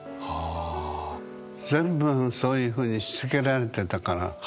全部そういうふうにしつけられてたから。